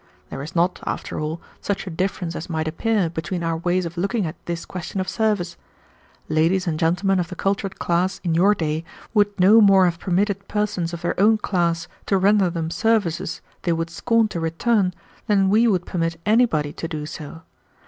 There is not, after all, such a difference as might appear between our ways of looking at this question of service. Ladies and gentlemen of the cultured class in your day would no more have permitted persons of their own class to render them services they would scorn to return than we would permit anybody to do so.